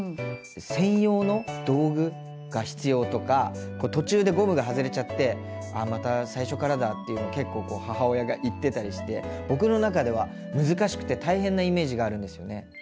「専用の道具が必要」とか「途中でゴムが外れちゃってあまた最初からだ」っていうの結構こう母親が言ってたりして僕の中では難しくて大変なイメージがあるんですよね。